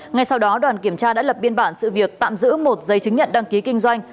ngay sau đó đoàn kiểm tra đã lập biên bản sự việc tạm giữ một giấy chứng nhận đăng ký kinh doanh